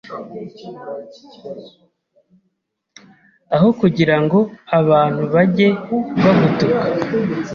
aho kugirango abantu bajye bagutuka?